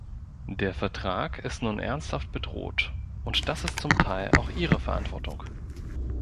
Der Vertrag ist nun ernsthaft bedroht, und das ist zum Teil auch Ihre Verantwortung.